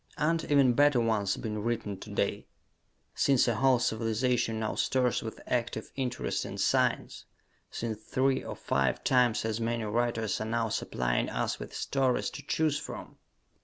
Aren't even better ones being written to day? since a whole civilization now stirs with active interest in science? since three or five times as many writers are now supplying us with stories to choose from?